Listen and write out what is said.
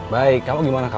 begini sama satu